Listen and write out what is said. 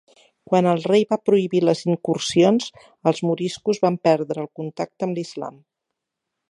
Quan el rei va prohibir les incursions, els moriscos van perdre el contacte amb l"islam.